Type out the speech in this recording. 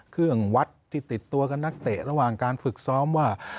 เครื่องวัดที่ติดตัวกับนักเตะระหว่างการฝึกซ้อมว่า